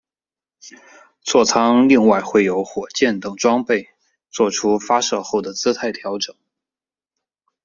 坐舱另外会有火箭等装备作出发射后的姿态调整。